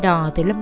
để buồn em